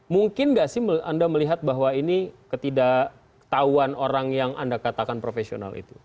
mungkin nggak sih anda melihat bahwa ini ketidaktahuan orang yang anda katakan profesional itu